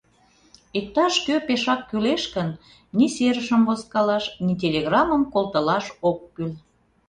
Иктаж-кӧ пешак кӱлеш гын, ни серышым возкалаш, ни телеграммым колтылаш ок кӱл.